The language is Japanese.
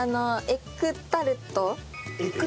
エッグタルト？